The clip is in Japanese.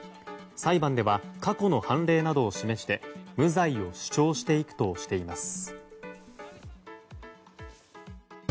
裁判では過去の判例などを示して無罪を主張していくとしています。